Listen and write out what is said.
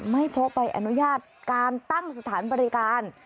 ไม่พบใบอนุญาตการตั้งสถานบริการ